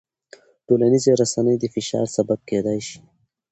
ټولنیزې رسنۍ د فشار سبب کېدای شي.